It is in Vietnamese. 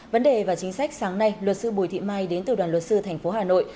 vấn đề và chính sách sáng nay luật sư bùi thị mai đến từ đoàn luật sư thành phố hà nội